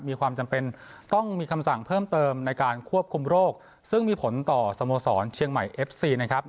มีความจำเป็นต้องมีคำสั่งเพิ่มเติมในการควบคุมโรคซึ่งมีผลต่อสโมสรเชียงใหม่เอฟซีนะครับ